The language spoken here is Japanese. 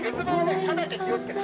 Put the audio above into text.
歯だけ気をつけて。